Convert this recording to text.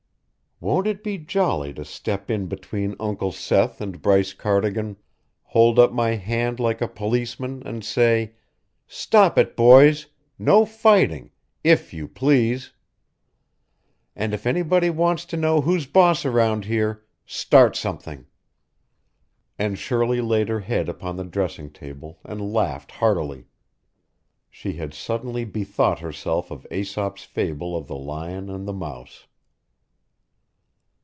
Won't it be jolly to step in between Uncle Seth and Bryce Cardigan, hold up my hand like a policeman, and say: 'Stop it, boys. No fighting, IF you please. And if anybody wants to know who's boss around here, start something.'" And Shirley laid her head upon the dressing table and laughed heartily. She had suddenly bethought herself of Aesop's fable of the lion and the mouse!